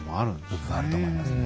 あると思いますね。